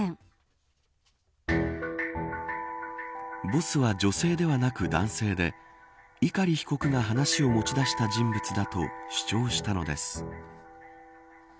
ボスは女性ではなく男性で碇被告が話を持ち出した人物だと主張したのです。